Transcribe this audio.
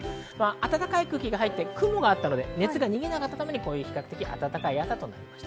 暖かい空気が入った雲があったので熱が逃げなかったために、比較的、暖かい朝となりました。